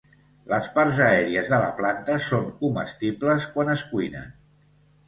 Les parts aèries de la planta són comestibles quan es cuinen.